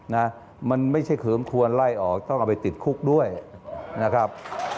นะมันไม่ใช่เขิมควรไล่ออกต้องเอาไปติดคุกด้วยนะครับ